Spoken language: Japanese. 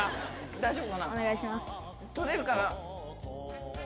大丈夫か？